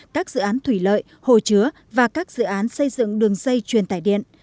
các dự án thủy lợi hồ chứa và các dự án xây dựng đường dây truyền tải điện